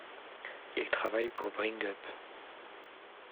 Il travaille pour Bring Up.